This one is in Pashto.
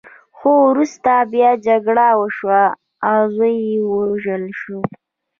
خو وروسته بیا جګړه وشوه او زوی یې ووژل شو.